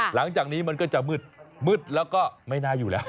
หลังจากนี้มันก็จะมืดมืดแล้วก็ไม่น่าอยู่แล้ว